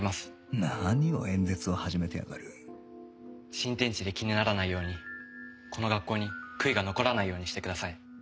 新天地で気にならないようにこの学校に悔いが残らないようにしてください。